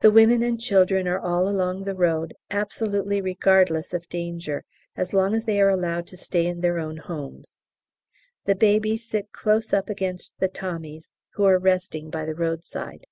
The women and children are all along the road, absolutely regardless of danger as long as they are allowed to stay in their own homes. The babies sit close up against the Tommies who are resting by the roadside.